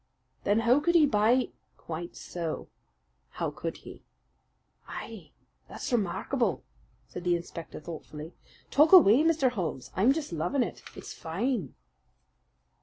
"Then how could he buy " "Quite so! How could he?" "Ay, that's remarkable," said the inspector thoughtfully. "Talk away, Mr. Holmes. I'm just loving it. It's fine!"